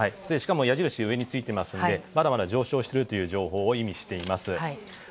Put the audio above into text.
しかも矢印が上についていますのでまだまだ上昇しているという情報を意味しています。